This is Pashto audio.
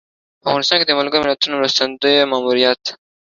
په افغانستان کې د ملګر ملتونو مرستندویه ماموریت